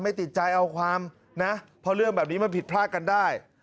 ติดใจเอาความนะเพราะเรื่องแบบนี้มันผิดพลาดกันได้